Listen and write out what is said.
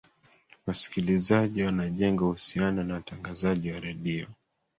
wasikilizaji wanajenga uhusiano na watangazaji wa redio